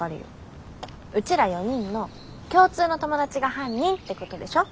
うちら４人の共通の友達が犯人ってことでしょ。